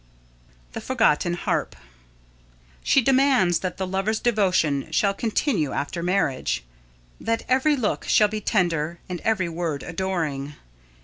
[Sidenote: The Forgotten Harp] She demands that the lover's devotion shall continue after marriage; that every look shall be tender and every word adoring.